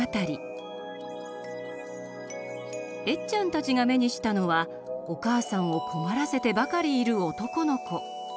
エッちゃんたちが目にしたのはおかあさんを困らせてばかりいる男の子。